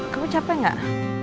kamu capek gak